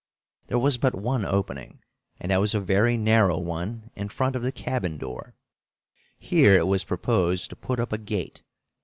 There was but one opening, and that was a very narrow one in front of the cabin door. Here it was proposed to put up a gate.